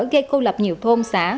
gây khô lập nhiều thôn xã